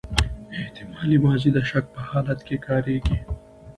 احتمالي ماضي د شک په حالت کښي کاریږي.